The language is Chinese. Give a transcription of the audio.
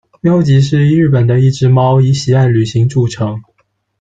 喵吉是日本的一只猫，以喜爱旅行着称。